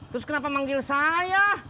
terus kenapa manggil saya